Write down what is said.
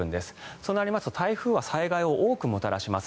そうなりますと台風は災害を多くもたらします。